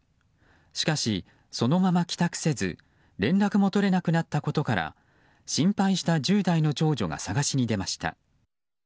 しかし、そのまま帰宅せず連絡も取れなくなったことから心配した１０代の長女が探しに出ました。